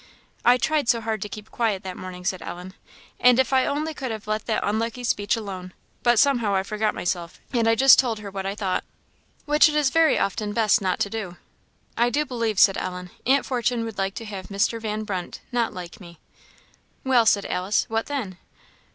"I tried so hard to keep quiet that morning," said Ellen; "and if I only could have let that unlucky speech alone but somehow I forgot myself, and I just told her what I thought." "Which it is very often best not to do." "I do believe," said Ellen, "Aunt Fortune would like to have Mr. Van Brunt not like me." "Well," said Alice, "what then?"